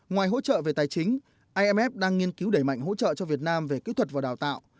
ngoài hỗ trợ về tài chính imf đang nghiên cứu đẩy mạnh hỗ trợ cho việt nam về kỹ thuật và đào tạo